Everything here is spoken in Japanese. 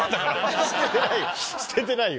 捨ててないよ。